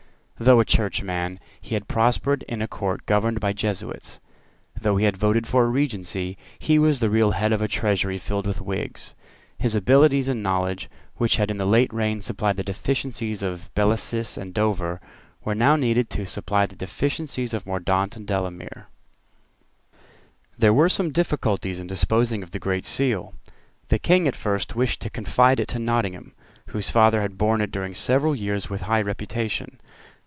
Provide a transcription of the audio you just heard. Though a churchman, he had prospered in a Court governed by Jesuits. Though he had voted for a Regency, he was the real head of a treasury filled with Whigs. His abilities and knowledge, which had in the late reign supplied the deficiencies of Bellasyse and Dover, were now needed to supply the deficiencies of Mordaunt and Delamere. There were some difficulties in disposing of the Great Seal. The King at first wished to confide it to Nottingham, whose father had borne it during several years with high reputation.